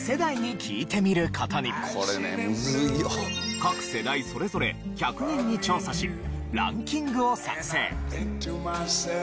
各世代それぞれ１００人に調査しランキングを作成。